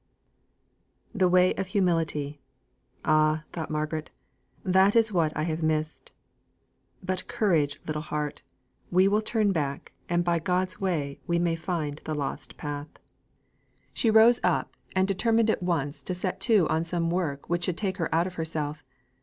"The way of humility. Ah," thought Margaret, "that is what I have missed! But courage, little heart. We will turn back, and by God's help we may find the lost path." So she rose up, and determined at once to set to on some work which should take her out of herself.